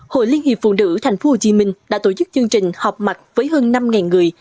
hội liên hiệp phụ nữ thành phố hồ chí minh đã tổ chức chương trình họp mặt với hơn năm người